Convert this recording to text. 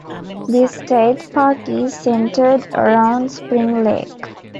The state park is centered around Spring Lake.